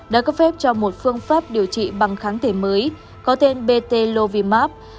đã cấp phép cho một phương pháp điều trị bằng kháng thể mới có tên bt lovimab